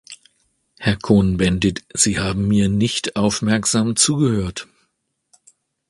Herr Cohn-Bendit, Sie haben mir nicht aufmerksam zugehört.